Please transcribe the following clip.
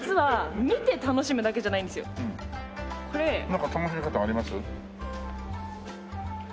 なんか楽しみ方あります？